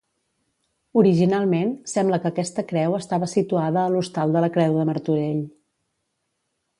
Originalment sembla que aquesta creu estava situada a l'Hostal de la Creu de Martorell.